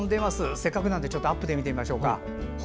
せっかくなのでアップで見てみましょうか。